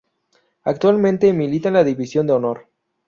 Actualmente milita en la División de Honor.